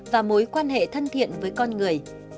và mối quan hệ thân thiện với con người